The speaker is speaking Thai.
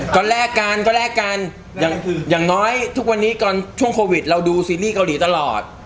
ก็แลกกันก็แลกกันอย่างน้อยทุกวันนี้ตอนช่วงโควิดเราดูซีรีส์เกาหลีตลอด